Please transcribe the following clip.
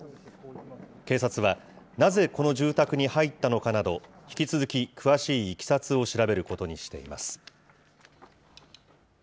警察はなぜこの住宅に入ったのかなど、引き続き詳しいいきさつを調べることにしています。